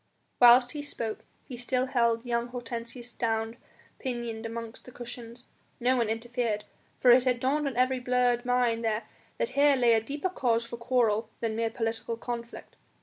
Whilst he spoke he still held young Hortensius down pinioned amongst the cushions. No one interfered, for it had dawned on every blurred mind there that here lay a deeper cause for quarrel than mere political conflict.